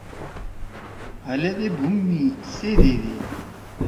ہلِے دے بُھوم می سِے دیِدی۔